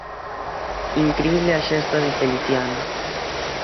Incrible a xesta de Feliciano.